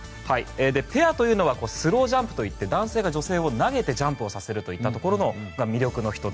ペアというのはスロウジャンプといって男性が女性を投げてジャンプをさせるのが魅力の１つ。